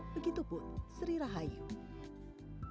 begitu pun sri rahayu